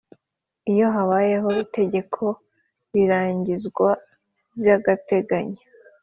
Iyo habayeho itegeko birangizwa by’agateganyo